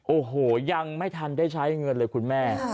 โอ้โหยังไม่ทันได้ใช้เงินเลยคุณแม่